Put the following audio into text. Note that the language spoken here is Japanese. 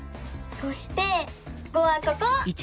そして「５」はここ！